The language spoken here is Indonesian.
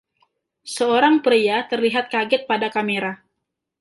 Seorang pria terlihat kaget pada kamera.